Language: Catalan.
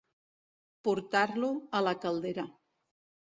Portar-lo a la caldera.